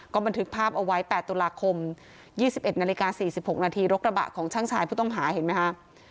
บันทึกภาพเอาไว้๘ตุลาคม๒๑นาฬิกา๔๖นาทีรถกระบะของช่างชายผู้ต้องหาเห็นไหมคะ